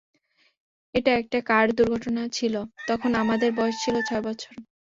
এটা একটা কার দূর্ঘটনা ছিল, তখন আমাদের বয়স ছিল ছয় বছর।